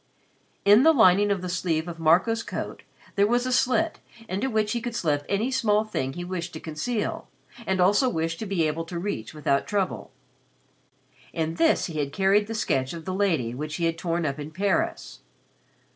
In the lining of the sleeve of Marco's coat there was a slit into which he could slip any small thing he wished to conceal and also wished to be able to reach without trouble. In this he had carried the sketch of the lady which he had torn up in Paris.